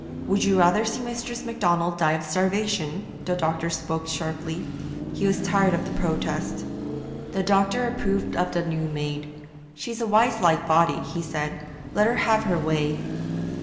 'Would you rather see Mistress Macdonald die of starvation?' The doctor spoke sharply; he was tired of the protest. The doctor approved of the new maid. 'She's a wise like body,' he said; 'let her have her way.'